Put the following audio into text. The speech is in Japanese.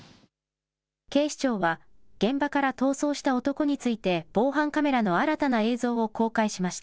警視庁は、現場から逃走した男について、防犯カメラの新たな映像を公開しました。